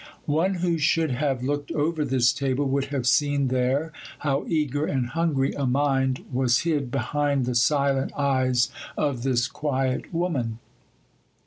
One who should have looked over this table would have seen there how eager and hungry a mind was hid behind the silent eyes of this quiet woman.